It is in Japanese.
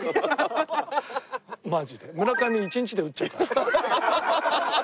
村上１日で打っちゃうから。